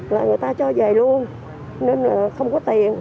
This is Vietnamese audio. là người ta cho về luôn nên là không có tiền